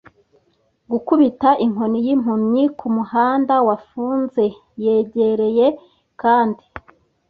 gukubita inkoni y'impumyi kumuhanda wafunze. Yegereye kandi